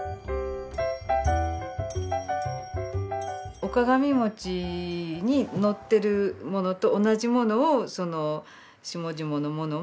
御鏡餅に載ってるものと同じものを下々の者も。